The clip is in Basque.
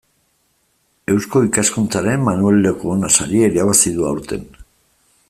Eusko Ikaskuntzaren Manuel Lekuona saria irabazi du aurten.